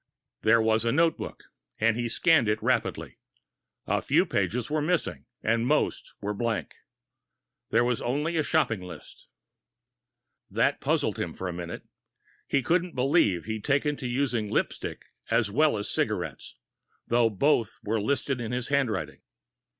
There was a notebook, and he scanned it rapidly. A few pages were missing, and most were blank. There was only a shopping list. That puzzled him for a minute he couldn't believe he'd taken to using lipstick as well as cigarettes, though both were listed in his handwriting.